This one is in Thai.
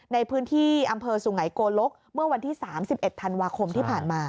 ในพื้นที่อำเภอสุหายโกลกเมื่อวันที่สามสิบเอ็ดธันวาคมที่ผ่านมา